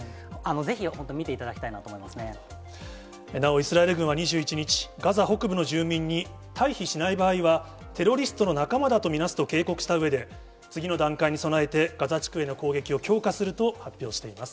ぜひ本当、見ていただきたいなとなお、イスラエル軍は２１日、ガザ北部の住民に、退避しない場合は、テロリストの仲間だと見なすと警告したうえで、次の段階に備えて、ガザ地区への攻撃を強化すると発表しています。